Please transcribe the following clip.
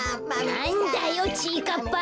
なんだよちぃかっぱ。